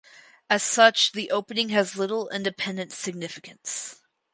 As such the opening has little independent significance.